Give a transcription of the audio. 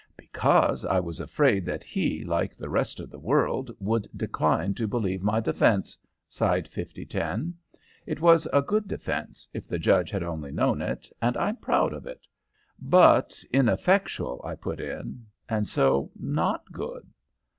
"Because I was afraid that he, like the rest of the world, would decline to believe my defence," sighed 5010. "It was a good defence, if the judge had only known it, and I'm proud of it." "But ineffectual," I put in. "And so, not good."